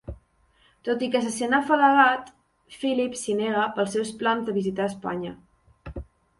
Tot i que se sent afalagat, Philip s'hi nega pels seus plans de visitar Espanya.